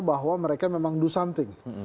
bahwa mereka memang do something